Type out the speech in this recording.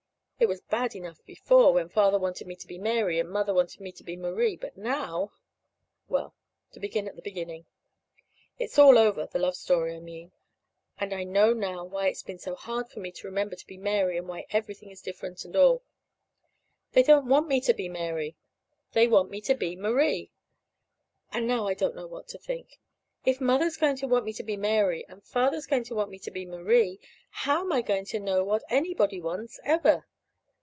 It was bad enough before, when Father wanted me to be Mary, and Mother wanted me to be Marie. But now Well, to begin at the beginning. It's all over the love story, I mean, and I know now why it's been so hard for me to remember to be Mary and why everything is different, and all. They don't want me to be Mary. They want me to be Marie. And now I don't know what to think. If Mother's going to want me to be Mary, and Father's going to want me to be Marie, how am I going to know what anybody wants, ever?